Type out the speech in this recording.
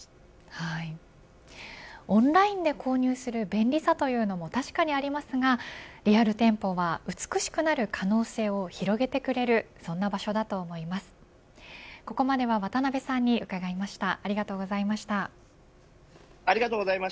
オンラインで購入する便利さというのも確かにありますがリアル店舗は、美しくなる可能性を広げてくれる今日ひといきつきましたか？